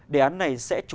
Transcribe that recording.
đề án này sẽ chú ý